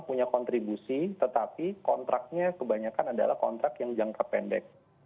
punya kontribusi tetapi kontraknya kebanyakan adalah kontrak yang jangka pendek